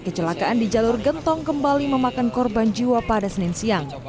kecelakaan di jalur gentong kembali memakan korban jiwa pada senin siang